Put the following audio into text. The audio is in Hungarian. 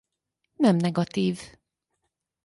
Nem negatív.